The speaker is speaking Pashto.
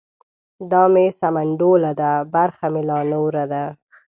دا مې سمنډوله ده برخه مې لا نوره ده.